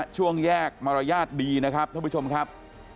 ช่วงแยกมาระยาทดีนะครับ